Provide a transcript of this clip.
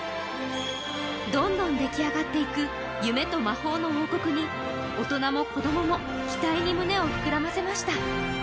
どんどん出来上がっていく夢と魔法の王国に大人も子供も期待に胸を膨らませました。